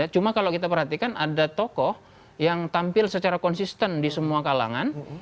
cuma kalau kita perhatikan ada tokoh yang tampil secara konsisten di semua kalangan